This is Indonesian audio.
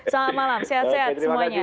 selamat malam sehat sehat semuanya